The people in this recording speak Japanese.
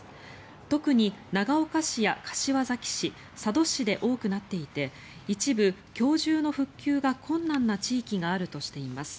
特に長岡市や柏崎市、佐渡市で多くなっていて一部今日中の復旧が困難な地域があるとしています。